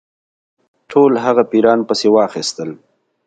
ټول هغه پیران پسي واخیستل.